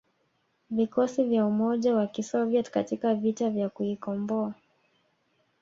vikosi vya umoja wa Kisoviet katika vita kuikomboa